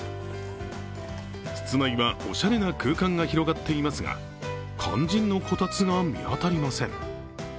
室内はおしゃれな空間が広がっていますが肝心のこたつが見当たりません。